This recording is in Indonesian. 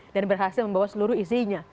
dan berhasil membawa seluruh isinya